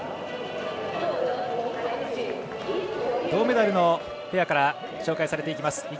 銅メダルのペアから紹介されていきます。